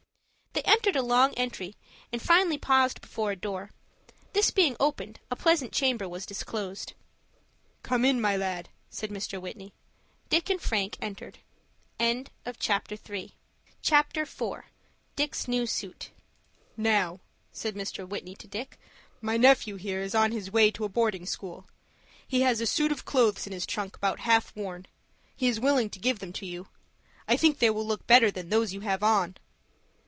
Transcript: They entered a long entry, and finally paused before a door. This being opened a pleasant chamber was disclosed. "Come in, my lad," said Mr. Whitney. Dick and Frank entered. CHAPTER IV. DICK'S NEW SUIT "Now," said Mr. Whitney to Dick, "my nephew here is on his way to a boarding school. He has a suit of clothes in his trunk about half worn. He is willing to give them to you. I think they will look better than those you have on."